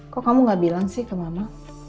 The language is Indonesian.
kok kamu gak bilang sih ke mama